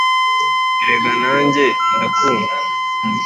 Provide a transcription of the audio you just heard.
Erega nanjye ndakumva